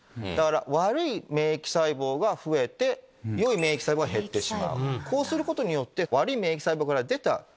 悪い免疫細胞が増えてよい免疫細胞が減ってしまう。